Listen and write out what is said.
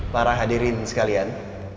para hadirin sekalian